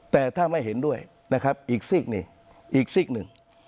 แต่ถ้าไม่เห็นด้วยนะครับอีกซีกนี่อีกซีกหนึ่ง